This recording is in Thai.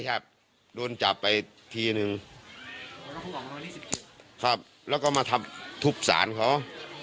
ค่ะโดนจับไปทีนึงครับแล้วก็มาทำทุบสารเขา